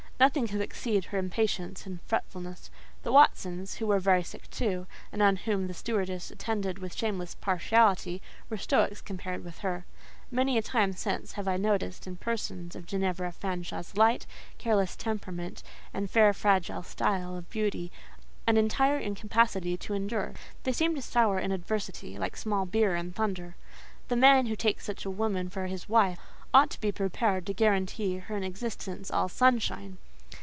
Nothing could exceed her impatience and fretfulness. The Watsons, who were very sick too, and on whom the stewardess attended with shameless partiality, were stoics compared with her. Many a time since have I noticed, in persons of Ginevra Fanshawe's light, careless temperament, and fair, fragile style of beauty, an entire incapacity to endure: they seem to sour in adversity, like small beer in thunder. The man who takes such a woman for his wife, ought to be prepared to guarantee her an existence all sunshine.